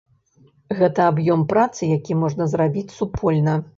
Гэта аб'ём працы, які можна зрабіць супольна.